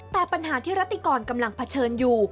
แต่ปัญหาที่รัฐิกรกำลังเผชิญอยู่